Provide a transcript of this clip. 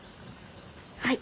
はい。